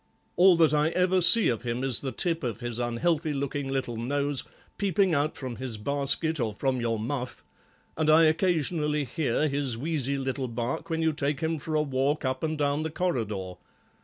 All that I ever see of him is the top of his unhealthy looking little nose, peeping out from his basket or from your muff, and I occasionally hear his wheezy little bark when you take him for a walk up and down the corridor.